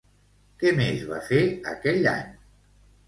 Què més va fer aquell any?